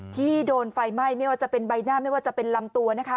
ที่โดนไฟไหม้ไม่ว่าจะเป็นใบหน้าไม่ว่าจะเป็นลำตัวนะคะ